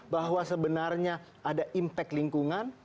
bahwa sebenarnya ada impact lingkungan